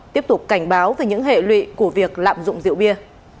tiếp tục cảnh báo về những hệ lụy của việc lạm dụng rượu bia